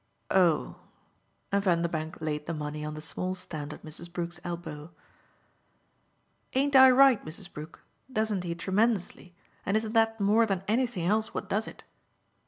"Oh!" and Vanderbank laid the money on the small stand at Mrs. Brook's elbow. "Ain't I right, Mrs. Brook? doesn't he, tremendously, and isn't that more than anything else what does it?"